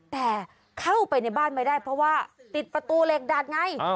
แต่เข้าไปในบ้านไม่ได้เพราะว่าติดประตูเหล็กดัดไง